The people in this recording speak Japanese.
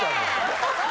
ハハハハ！